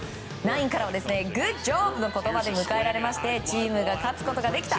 ナインからはグッジョブの言葉で迎えられましてチームが勝つことができた。